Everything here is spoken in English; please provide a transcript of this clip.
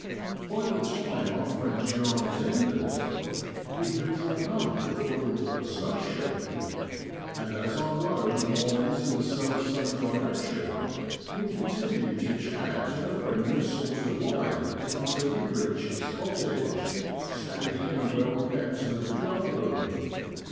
By the time our friend's yarn is ended, we have drawn up at the Broadland Station. And as our road lies in the selfsame direction, we continue to chat in a friendly sort of way until we reach his cottage, standing in a well kept little garden.